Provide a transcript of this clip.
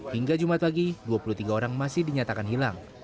hingga jumat pagi dua puluh tiga orang masih dinyatakan hilang